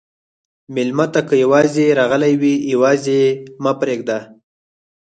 مېلمه ته که یواځې راغلی وي، یواځې مه پرېږده.